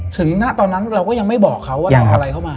ณตอนนั้นเราก็ยังไม่บอกเขาว่าเราเอาอะไรเข้ามา